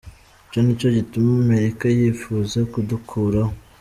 Ico nico gituma Amerika yipfuza kudukuraho.